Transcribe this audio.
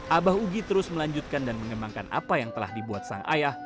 abah ugi terus melanjutkan dan mengembangkan apa yang telah dibuat sang ayah